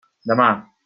Demà.